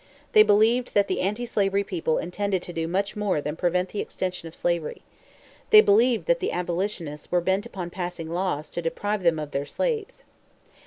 They believed that the anti slavery people intended to do much more than prevent the extension of slavery. They believed that the abolitionists were bent upon passing laws to deprive them of their slaves.